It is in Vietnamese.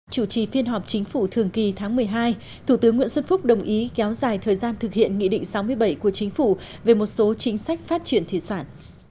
chủ trì phiên họp chính phủ thường kỳ tháng một mươi hai thủ tướng nguyễn xuân phúc đồng ý kéo dài thời gian thực hiện nghị định sáu mươi bảy của chính phủ về một số chính sách phát triển thủy sản